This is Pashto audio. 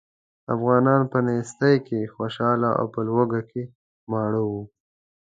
افغانان په نېستۍ کې خوشاله او په لوږه کې ماړه وو.